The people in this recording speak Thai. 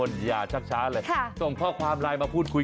เค้าคิดถึงพี่อักพวกมันอยู่แล้ว